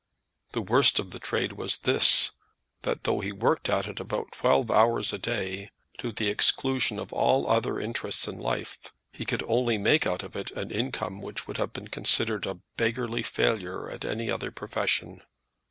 The worst of the trade was this: that though he worked at it above twelve hours a day, to the exclusion of all other interests in life, he could only make out of it an income which would have been considered a beggarly failure at any other profession.